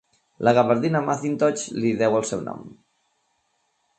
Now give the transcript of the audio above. La gavardina Macintosh li deu el nom.